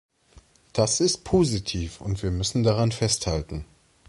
Das ist positiv und wir müssen daran festhalten.